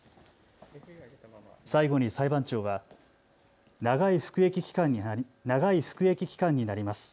最後に裁判長は長い服役期間になります。